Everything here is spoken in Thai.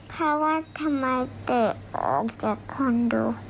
เพราะว่าทำไมแกะออกจากคอนโด